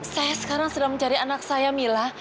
saya sekarang sedang mencari anak saya mila